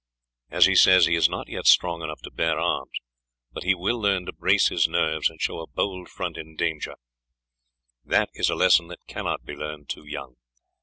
As he says, he is not yet strong enough to bear arms, but he will learn to brace his nerves and show a bold front in danger; that is a lesson that cannot be learned too young.